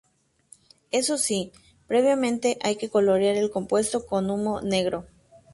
Eso sí, previamente hay que colorear el compuesto con humo negro.